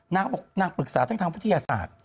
เขาบอกนางปรึกษาทั้งทางวิทยาศาสตร์